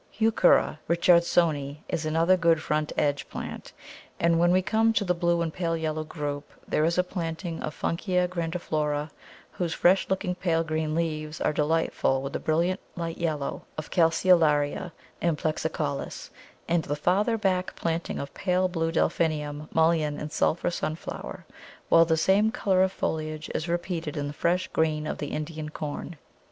Heuchera Richardsoni is another good front edge plant; and when we come to the blue and pale yellow group there is a planting of Funkia grandiflora, whose fresh looking pale green leaves are delightful with the brilliant light yellow of Calceolaria amplexicaulis, and the farther back planting of pale blue Delphinium, Mullein, and sulphur Sunflower; while the same colour of foliage is repeated in the fresh green of the Indian Corn.